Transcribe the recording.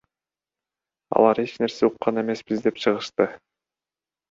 Алар эч нерсе уккан эмеспиз деп чыгышты.